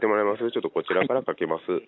ちょっとこちらからかけます。